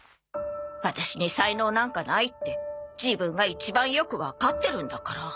ワタシに才能なんかないって自分が一番よくわかってるんだから。